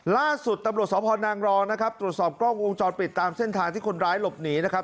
ล่าสุดตำรวจสพนางรองนะครับตรวจสอบกล้องวงจรปิดตามเส้นทางที่คนร้ายหลบหนีนะครับ